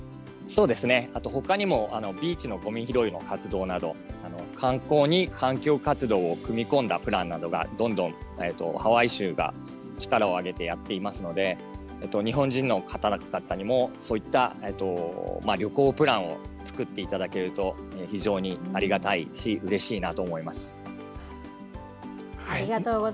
あとほかにも、ビーチのごみ拾いの活動など、観光に環境活動を組み込んだプランなどが、どんどんハワイ州が力を挙げてやっていますので、日本人の方々にも、そういった旅行プランを作っていただけると、非常にありがたいし、うれしいなと思います。